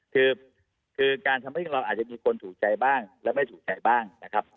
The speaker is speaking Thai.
คือคือการทำให้เราอาจจะมีคนถูกใจบ้างและไม่ถูกใจบ้างนะครับ